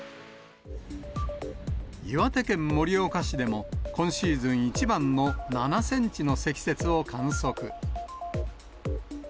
岩手県盛岡市でも、今シーズン一番の７センチの積雪を観測。